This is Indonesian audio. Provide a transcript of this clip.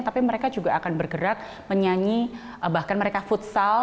tapi mereka juga akan bergerak menyanyi bahkan mereka futsal